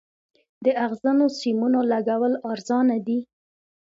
د اغزنو سیمونو لګول ارزانه دي؟